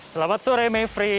selamat sore mevri